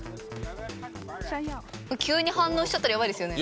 急に反応しちゃったらやばいですよね。